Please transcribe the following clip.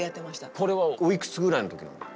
これはおいくつぐらいの時なんだ？